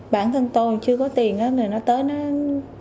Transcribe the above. bản thân tôi chưa có tiền thế này nó tới nó quăng sơn